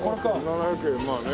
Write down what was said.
７００円まあね。